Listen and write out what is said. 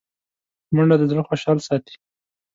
منډه د زړه خوشحال ساتي